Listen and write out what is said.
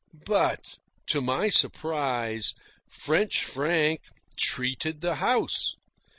But, to my surprise, French Frank treated the house.